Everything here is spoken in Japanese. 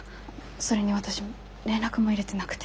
それに私連絡も入れてなくて。